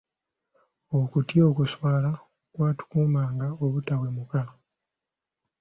Okutya okuswala kwatukuumanga obutawemuka.